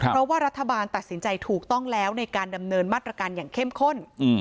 เพราะว่ารัฐบาลตัดสินใจถูกต้องแล้วในการดำเนินมาตรการอย่างเข้มข้น